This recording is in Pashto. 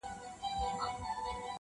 نيمه خوږه نيمه ترخه وه ښه دى تېره سوله,